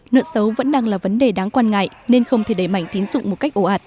nợ xấu vẫn đang là vấn đề đáng quan ngại nên không thể đẩy mạnh tín dụng một cách ồ ạt